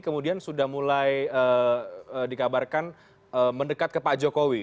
kemudian sudah mulai dikabarkan mendekat ke pak jokowi